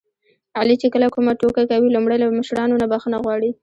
علي چې کله کومه ټوکه کوي لومړی له مشرانو نه بښنه غواړي.